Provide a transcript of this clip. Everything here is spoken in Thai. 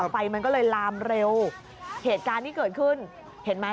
ไฟมันก็เลยลามเร็วเหตุการณ์ที่เกิดขึ้นเห็นไหม